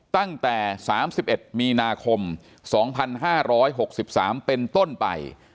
ตั้งแต่๓๑มีนาคม๒๕๖๓เป็นต้นไป